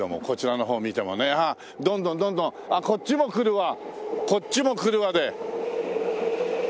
こちらの方見てもねどんどんどんどんあっこっちも来るわこっちも来るわで。